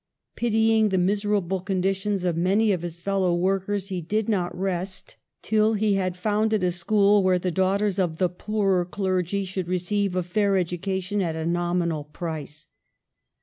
Pitying the miserable conditions of many of his fellow work ers, he did not rest till he had founded a school where the daughters of the poor clergy should receive a fair education at a nominal price.